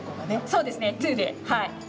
そうですねツーで。